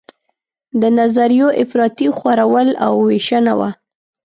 د نظریو افراطي خورول او ویشنه وه.